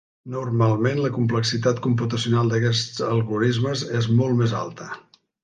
Normalment, la complexitat computacional d'aquests algorismes és molt més alta.